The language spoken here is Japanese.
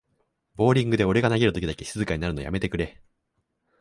ボーリングで俺が投げるときだけ静かになるのやめてくれ